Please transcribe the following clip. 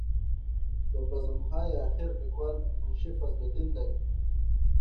د بزم های اخیر لیکوال منشي فضل الدین دی.